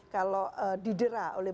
kalau didera oleh